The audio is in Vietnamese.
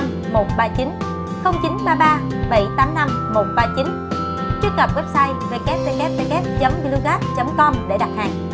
trước gặp website www glugac com để đặt hàng